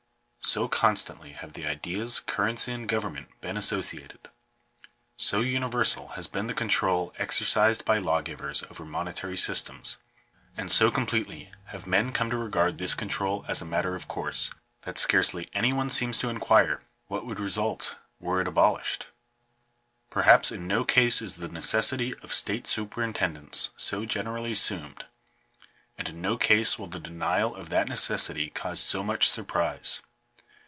So constantly have the ideas currency and government been associated — so universal has been the control exercised by law givers over monetary systems — and so completely have men come to regard this control as a matter of course, that scarcely any one seems to inquire what would result were it abolished. Perhaps in no case is the necessity of state superintendence so generally assumed; and in no case will the denial of that necessity cause so much surprise.